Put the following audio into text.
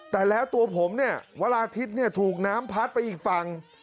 แต่แล้วตัวผมเนี่ยวราทิศถูกน้ำพัดไปอีกฝั่ง